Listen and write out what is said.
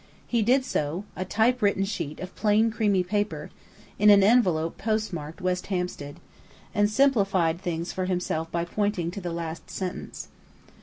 He did so (a typewritten sheet of plain creamy paper, in an envelope post marked "West Hampstead"), and simplified things for himself by pointing to the last sentence.